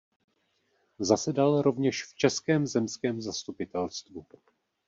Zasedal rovněž v Českém zemském zastupitelstvu.